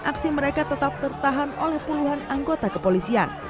aksi mereka tetap tertahan oleh puluhan anggota kepolisian